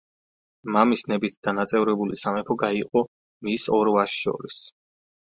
მამის ნებით დანაწევრებული სამეფო გაიყო მის ორ ვაჟს შორის.